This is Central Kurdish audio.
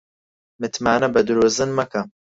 متمانە بە درۆزن مەکە